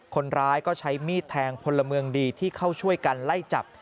คนร้ายก็ใช้มีดแทงพลเมืองดีที่เข้าช่วยกันไล่จับ